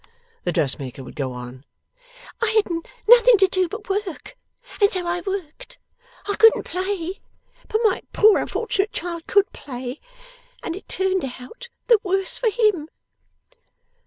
the dressmaker would go on. 'I had nothing to do but work, and so I worked. I couldn't play. But my poor unfortunate child could play, and it turned out the worse for him.